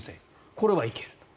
これはいける。